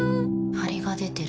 ハリが出てる。